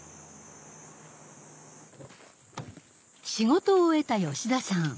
仕事を終えた吉田さん。